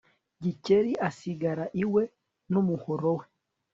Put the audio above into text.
Gikeli asigara iwe numuhoro we